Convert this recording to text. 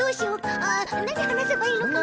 あなにはなせばいいのかな？